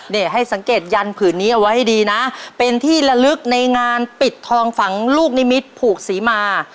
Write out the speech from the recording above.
นี่ให้สังเกตยันผืนนี้เอาไว้ให้ดีนะเป็นที่ละลึกในงานปิดทองฝังลูกนิมิตรผูกศรีมา